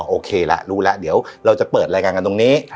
โอเคละรู้แล้วเดี๋ยวเราจะเปิดรายการกันตรงนี้